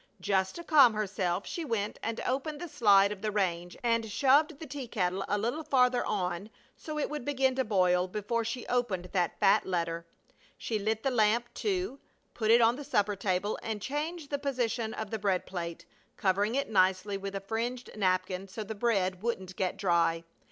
Just to calm herself she went and opened the slide of the range and shoved the tea kettle a little farther on so it would begin to boil, before she opened that fat letter. She lit the lamp, too, put it on the supper table, and changed the position of the bread plate, covering it nicely with a fringed napkin so the bread wouldn't get dry.